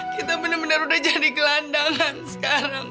kita bener bener udah jadi gelandangan sekarang